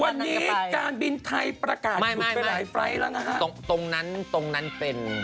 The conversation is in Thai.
วันนี้การบินไทยประกาศหยุดไปหลายไฟล์ทแล้วนะฮะตรงนั้นตรงนั้นเป็น